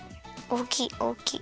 おおきいおおきい